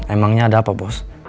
emangnya ada apa bos